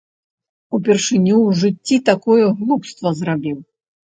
Упершыню ў жыцці такое глупства зрабіў.